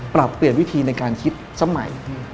ปรับเปลี่ยนวิธีในการคิดสมัย